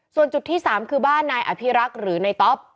ส่วนจุดที่๓คือบ้านนายอภิรักษ์หรือนายต๊อป